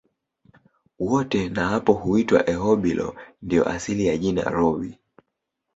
Wote na hapo huitwa Erhobilo ndio asili ya jina Rhobi